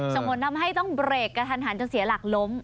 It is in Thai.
ส่งผลทำให้ต้องเบรกกระทันหันจนเสียหลักล้ม